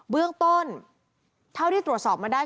เบื้องต้นเท่าที่ตรวจสอบมาได้